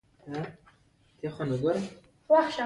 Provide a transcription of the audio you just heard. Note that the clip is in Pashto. احمد خپلې پښې په خپله په تېشه ووهلې او خپل تره يې وواژه.